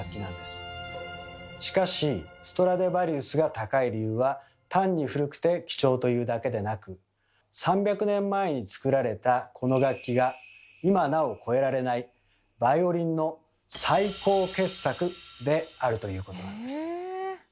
しかしストラディヴァリウスが高い理由は単に古くて貴重というだけでなく３００年前に作られたこの楽器が今なお超えられないバイオリンの最高傑作であるということなんです。